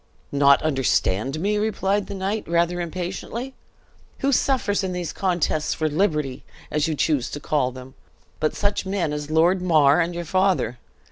"Not understand me?" replied the knight, rather impatiently. "Who suffers in these contests for liberty, as you choose to call them, but such men as Lord Mar and your father?